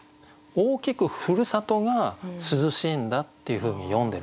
大きくふるさとが涼しいんだっていうふうに詠んでるところ。